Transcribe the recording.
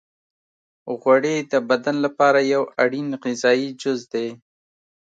غوړې د بدن لپاره یو اړین غذایي جز دی.